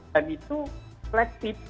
dan itu selektif